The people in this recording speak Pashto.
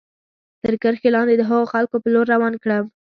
تر کرښې لاندې د هغو خلکو په لور روان کړم.